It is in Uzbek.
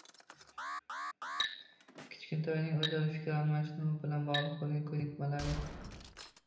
Kichkintoyning o‘zaro fikr almashinuv bilan bog‘liq bo‘lgan ko‘nikmalarini